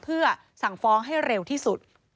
เพื่อสั่งฟ้องให้เร็วที่สุด